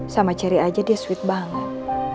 sama cherry aja dia sweet banget